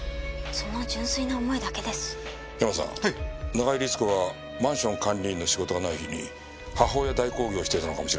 中井律子はマンション管理員の仕事がない日に母親代行業をしていたのかもしれないな。